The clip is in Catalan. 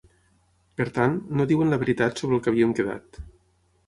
Per tant, no diuen la veritat sobre el que havíem quedat.